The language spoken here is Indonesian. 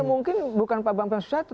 iya mungkin bukan pak mbak susatyo